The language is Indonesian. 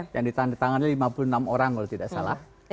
yang ditandatangani lima puluh enam orang kalau tidak salah